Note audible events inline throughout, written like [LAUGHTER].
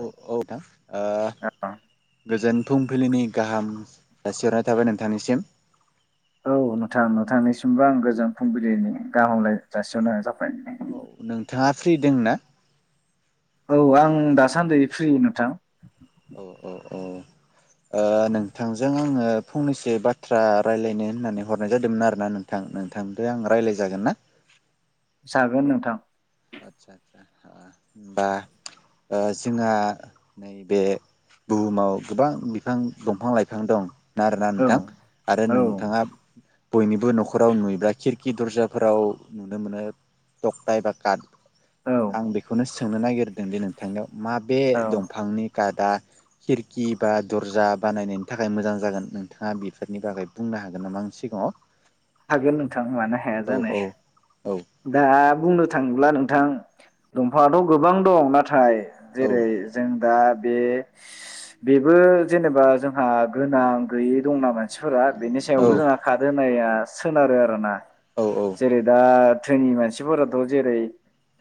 औ औ नोंथां औ ओ गोजोन फुंबिलिनि गाहाम जासिहरनाय थाबाय नोंथांनिसिम। औ नोंथां नोंथांनिसिमबो आं गोजोन फुंबिलिनि गाहामलाय जासिहरनाय जाबाय औ नोंथाङा फ्रि दं ना? औ आं दासान्दि फ्रि नोंथां। अ ओ नोंथांजों आङो फंनैसो बाथ्रा रायलायनो होननानै हरनाय जादोंमोन आरोना नोंथां नोंथांजों आं रायलाय जागोन ना? जागोन नोंथां। आदसा ओ जोंहा बे बुहुमाव गोबां बिफां दंफां लाइफां दं। ना आरोना औ नोंथां आरो औ नोंथाङा बयनिबो न'खराव नुयोब्ला खिर खि दरजाफोराव नुनो मोनो थखथा एबा कात। औ आं बेखौनो सो सोंनो नागिरदोंदि नोंथांनियाव मा बेे औ दंफांनि कादा खिरखि बा दर्जा बानायनायनि थाखाय मोजां जागोन नोंथाङा बेफोरनि बागै बुंनो हागोन नामा आं सिगाङाव? हागोन नोंथां मानो हाया औ जानो। औ औ दा बुंनो थाङोला नोंथां दंफाङाथ' गोबां दं नाथाय औ जेरै जों दा बे बेबो जेनेबा जोंहा गोनां गैयै दंना मानसिफोरा बेनि औ सायावबो जोंहा खाद होनाया सोनारो आरो ना। औ जेरै दा थोनि मानसिफोराथ' जेरै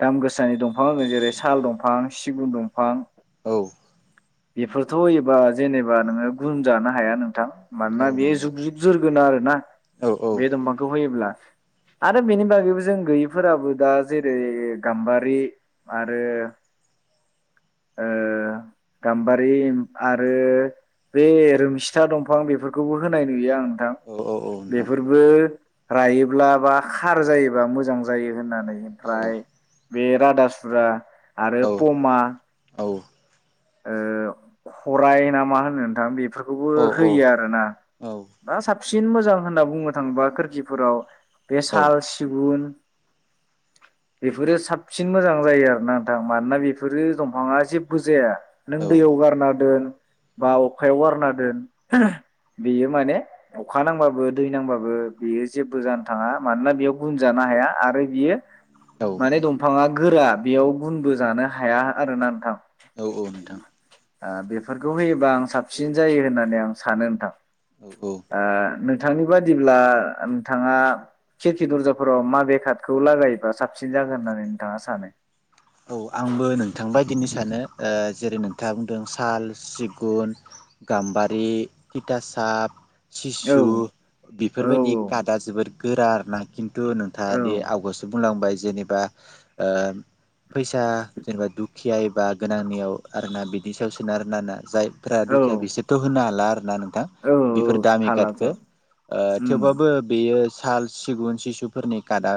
दाम गोसानि दंफां होगोन जेरै साल दंफां सिगुन दंफां। औ। बेफोरथ' होयोबा जेनेबा नोङो गुन जानो हाया नोंथां। औ मानोना बे नंगौ जुुग जुग जोरगोन आरो ना औ औ बे दंफांखौ होयोब्ला। आरो बिनि बागैबो जों गैयिफोराबो दा जेरै गाम्बारि आरो ओ गाम्बारि आरो बे रोमसिथा दंफां बेफोरखौबो होनाय नुयो आं। नोंथां औ औ औ नोंथां बेफोरबो रायोब्ला बा खार जायो। बा मोजां जायो। होननानै औ ओमफ्राय बे रादासुरा आरो औ फमा। औ ओ फराय ना मा होनो नोंथां बे बेफोरखौबो औ औ औ होयो आरोना नोंथां दा साबसिन मोजां होनना बुंनो थाङोबा खोरखिफोराव बे साल सिगुन बेफोरो साबसिन मोजां जायो आरो ना नोंथां मानोना बेफोरो दंफाङा जेब्बो जाया। नों दैयाव गारना दोन बा अखायाव गारना दोन बेयो माने अखा नांबाबो दै नांबाबो बेयो जेबो जानो थाङा मानोना बेयाव गुन जानो हाया आरो बियो माने दंफाङा गोरा बेयाव गुनबो जानो हाया आरोना नोंथां। औ औ [INAUDIBLE] ओ बेफोरखौ होयोबा आं साबसिन जायो होननानै आं सानो नोंथां। औ औ ओ नो नोंथांनि बादिब्ला नोंथाङा खिरखि दर्जाफोराव मा शबे खातखौ लागायोब्लाा साबसिन जागोन होननानै नोंथाङा सानो?? औ आंबो नोंथां बायदिनो सानो ओ जेरै नोंथाङा बुंदों साल सिगुन गाम्बारि हिथासाब सिसु औ औ बेफोरबायदि कादा जोबोद गोरा आरोना खि थु औ नोंथाङादि आवगसो बुंलांबाय। जेनेबा ओ। फैसा जेनेबा दुखिया एबा गोनांनियाव आरोना बिदि सायावसोनो आरोना ना जाय। फ्रा दुखिया औ बिसोरथ' होनो हाला। हाला थां औ बेफोर दामि हालाथ' काटखौ ओ उम थेवबाबो बेयो साल सिगुन सिसुफोरनि काटआ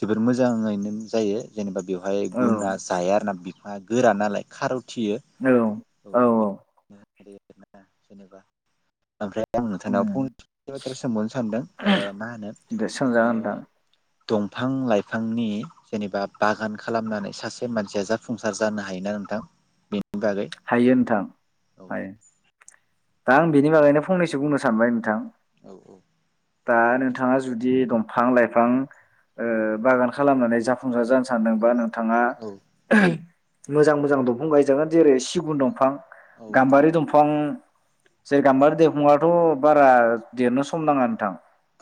जोबोर मोजाङैनो जायो जेनेबा। बेवहाय औ गुना जाया आरो ना गोरा नालाय खार थियो औ औ बिदिनो आरो ना जेनेबा ओमफ्राय आं नोंथांनाव उम फुंनैसो बाथ्रा सोंबावनो सानदों ओ मा होनो दे सोंजागोन नोंथां ओ दंफां लाइफांनि जेनेबा बागान। खालामनानै सासे मानसिया जाफुंसार जानो हायो ना नोंथां बे हायो नोंथां हायो दा आं बेनि बागैनो फंनैसो बुंनो सानबाय नोंथां औ औ। दा नोंथाङा जुदि दंफां लाइफां ओ बागान खालामनानै जाफुंसार जानो सानदोंबा नों थाङा औ मोजां मोजां दंफां गायजागोन जेरै सिगुन दंफां। औ गाम्बारि दंफां। जे गाम्बारि देंफाङाथ' बारा देरनो सम नाङा नोंथां।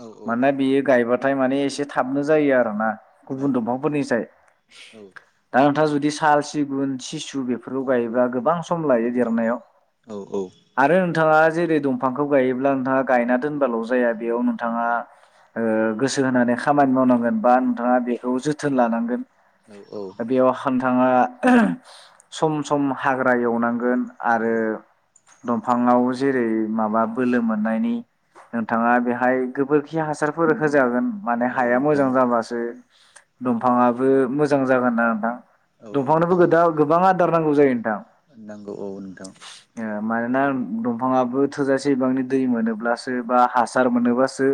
औ माने बियो गायबा थाय माने एसे थाबनो जायो आरो ना। गुबुन दंफांफोरनिसाय दा नोंथाङा जु साल सिगुन सिसु बेफोरखौ गायोब्ला गोबां सम लायो देरनायाव औ औ आरो नोंथाङा जेरै दंफांखौ गायोब्ला नोंथाङा गायना दोनबाल' जाया बेयाव नोंथाङा ओ गोसो होनानै खामानि मावनांगोन बा नोंथाङा बेखौ जोथोन लानांगोन औ बेयाव हां नोंथाङा सम सम हाग्रा एवनांगोन आरो औ दंफाङाव जेरै माबा बोलो मोननायनि नोंथाङा बेहाय गोबोरखि हासारफोर होजागोन माने औ हाया नोंथां मोजां जाबासो दंफाङाबो मोजां जागोन आरो नोंथां औ दंफांनोबो दा गोबाङा होथारनांगौ जायो नोंथां नोंगौ औ नोंथां ओ मानोना दंफाङाबो थोजासे बिबांनि दै मोनोब्लासो बा हासार मोनोब्लासो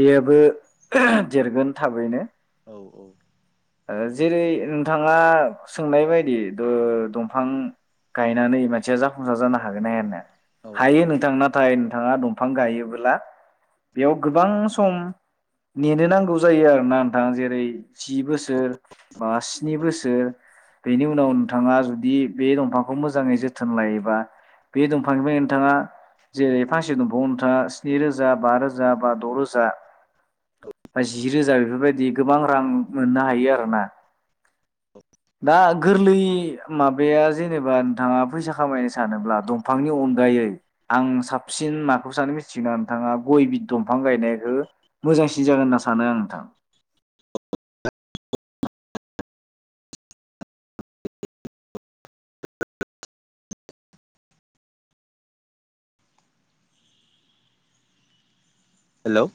बेयाबो देरगोन थाबैनो। औ औ ओ जेरै नोंथाङा सोंनाय बायदि ओ दंफां गायनानै मानसिया जाफुंसार जानो हागोन ना हाया नो औ औ हायो नोंथां ना थाय नोंथाङा दंफां गायोबोब्ला बेयाव गोबां सम नेनो नांगौ जायो आरोना नोंथाङा जेरै जि बोसोर बा स्नि बोसोर बेनि उनाव नोंथाङा जुदि बे दंफांखौ मोजाङै जोथोन लायोबा बे दंफांनिफ्राय नोंथाङा जेरै फांसे दंफाङाव नोंथाङा स्नि रोजा, बा रोजा, बा द' रोजा बा जि रोजा बेफोरबायदि गोबां रां मोननो हायो आर ना । दा गोरलै माबाया जेनेबा नोंथाङा फैसा खामायनो सानोब्ला दंफांनि अनगायै आं साबसिन माखौ सानो मिथिगोन नोंथाङा गय बि दंफां गायनायखौ मोजांसिन जागोन होनना सानो आं नोंथां। हेलौ